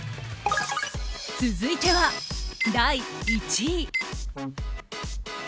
続いては、第１位。